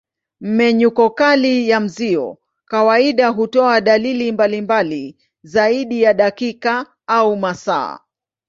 Mmenyuko kali ya mzio kawaida hutoa dalili mbalimbali zaidi ya dakika au masaa.